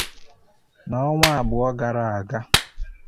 N'ọnwa abụọ gara aga